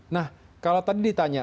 nah kalau tadi ditanya